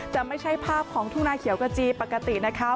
จะไม่ใช่ภาพของทุ่งนาเขียวกระจีปกตินะคะ